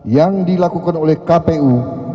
yang dilakukan oleh kpu